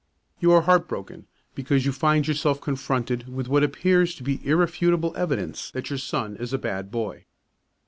You are heartbroken because you find yourself confronted with what appears to be irrefutable evidence that your son is a bad boy.